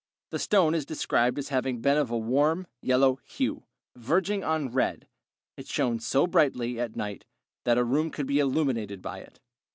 The stone is described as having been of a warm yellow hue, verging on red; it shone so brightly at night that a room could be illuminated by it.